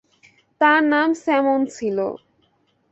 তার নাম স্যামন ছিল।